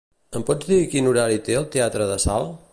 Em pots dir quin horari té el teatre de Salt?